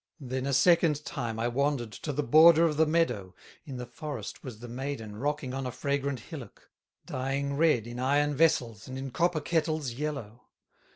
"Then a second time I wandered To the border of the meadow; In the forest was the maiden Rocking on a fragrant hillock, Dyeing red in iron vessels, And in copper kettles, yellow.